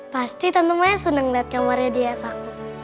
pasti tante maya seneng liat kamarnya dia sak